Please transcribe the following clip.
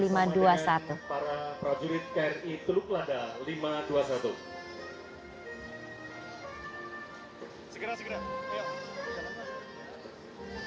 para prajurit kri teluk lada lima ratus dua puluh satu